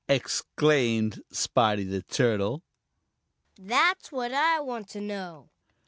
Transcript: exclaimed Spotty the Turtle. "That's what I want to know!"